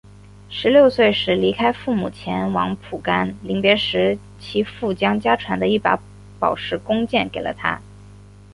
十六岁时离开父母前往蒲甘临别时其父将家传的一把宝石弓箭给了他。